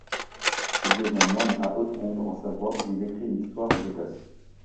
Il devient moine à Hautecombe en Savoie, où il écrit une histoire de l'Écosse.